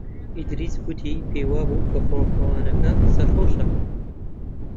ئیدریس گوتی پێی وا بوو کە فڕۆکەوانەکە سەرخۆشە.